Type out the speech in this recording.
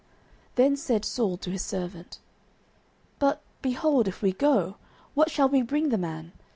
09:009:007 Then said Saul to his servant, But, behold, if we go, what shall we bring the man?